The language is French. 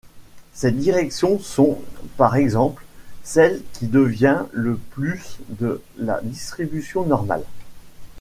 Ces directions sont, par exemple, celles qui dévient le plus de la distribution normale.